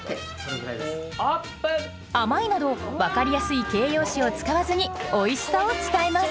「甘い」など分かりやすい形容詞を使わずにおいしさを伝えます